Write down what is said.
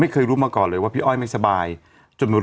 อืมอืมอืม